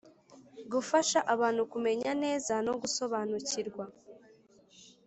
Gufasha abantu kumenya neza no gusobanukirwa